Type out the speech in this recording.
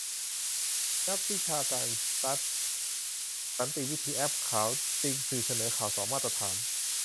นักวิชาการซัด สันติวิธี-แอ๊บขาว ติงสื่อเสนอข่าวสองมาตรฐาน